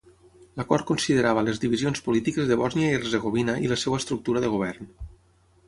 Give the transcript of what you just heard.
L'acord considerava les divisions polítiques de Bòsnia i Hercegovina i la seva estructura de govern.